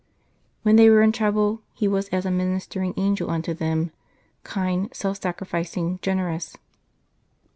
When they were in trouble he was as a ministering angel unto them, kind, self sacrificing, generous.